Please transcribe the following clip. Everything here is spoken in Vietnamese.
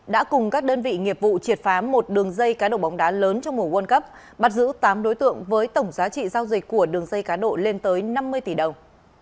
đã cùng các đơn vị nghiệp vụ triệt phá một đường dây cá độ bóng đá lớn trong mùa world cup bắt giữ tám đối tượng với tổng giá trị giao dịch của đường dây cá độ lên tới năm mươi tỷ đồng